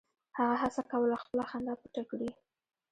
هغه هڅه کوله خپله خندا پټه کړي